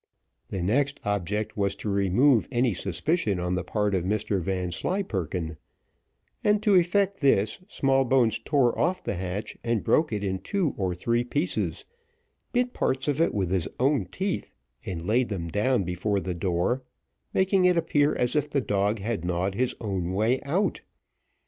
The next object was to remove any suspicion on the part of Mr Vanslyperken; and to effect this, Smallbones tore off the hatch, and broke it in two or three pieces, bit parts of it with his own teeth, and laid them down before the door, making it appear as if the dog had gnawed his own way out.